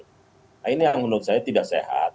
nah ini yang menurut saya tidak sehat